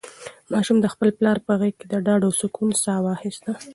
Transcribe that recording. ماشوم د خپل پلار په غېږ کې د ډاډ او سکون ساه واخیسته.